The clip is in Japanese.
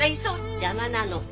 邪魔なの。